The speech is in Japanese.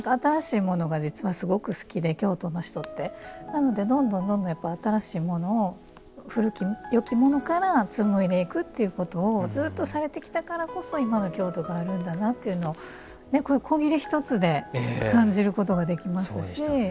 なのでどんどんどんどんやっぱ新しいものを古きよきものから紡いでいくっていうことをずっとされてきたからこそ今の京都があるんだなっていうのをこういう古裂一つで感じることができますし。